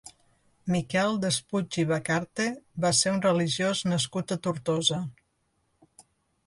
Miquel Despuig i Vacarte va ser un religiós nascut a Tortosa.